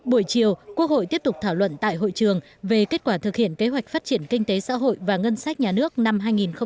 buổi chiều quốc hội tiếp tục thảo luận tại hội trường về kết quả thực hiện kế hoạch phát triển kinh tế xã hội và ngân sách nhà nước năm hai nghìn một mươi chín